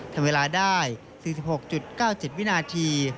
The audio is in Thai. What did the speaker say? ทำเวลาได้๔๖๙๗วินาที